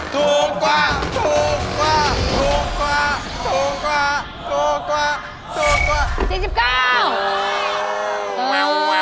ถูกกว่า